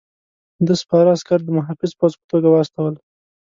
ده سپاره عسکر د محافظ پوځ په توګه واستول.